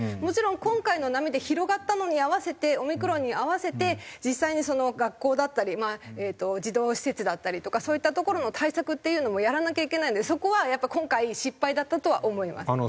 もちろん今回の波で広がったのに合わせてオミクロンに合わせて実際に学校だったり児童施設だったりとかそういった所の対策っていうのもやらなきゃいけないのでそこはやっぱ今回失敗だったとは思います。